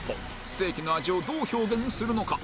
ステーキの味をどう表現するのか？